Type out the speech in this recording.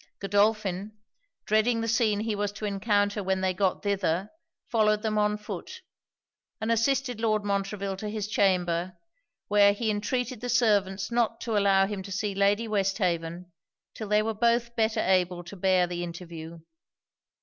Godolphin, dreading the scene he was to encounter when they got thither, followed them on foot; and assisted Lord Montreville to his chamber, where he entreated the servants not to allow him to see Lady Westhaven, till they were both better able to bear the interview.